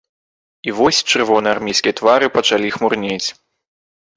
І вось чырвонаармейскія твары пачалі хмурнець.